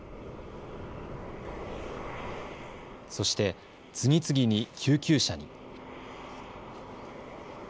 そして次々に救急車に。